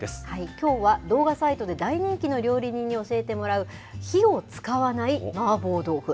きょうは動画サイトで大人気の料理人に教えてもらう、火を使わないマーボー豆腐。